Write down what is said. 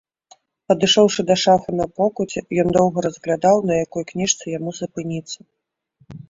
Падышоўшы да шафы на покуці, ён доўга разглядаў, на якой кніжцы яму запыніцца.